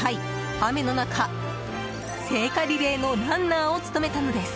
雨の中、聖火リレーのランナーを務めたのです。